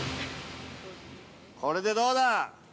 ◆これでどうだ。